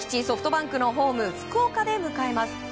ソフトバンクのホーム福岡で迎えます。